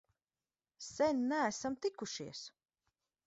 Sen neesam tikušies!